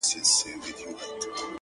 هم عقل وينم” هم هوا وينم” هم ساه وينم”